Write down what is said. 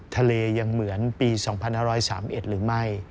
ทะเลยังเหมือนปี๒๕๓๑หรือไม่